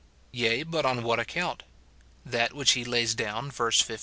Yea, but on what account ? That which he lays down, verse 15.